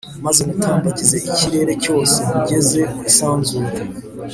Maze ngutambagize ikirere cyose nkugeze mu isanzure